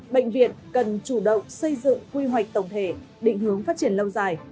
bệnh viện cần chủ động xây dựng quy hoạch tổng thể định hướng phát triển lâu dài